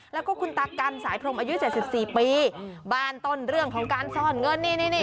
แล้วก็คุณตากันสายพรมอายุ๗๔ปีบ้านต้นเรื่องของการซ่อนเงินนี่นี่